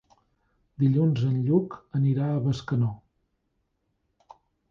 Dilluns en Lluc anirà a Bescanó.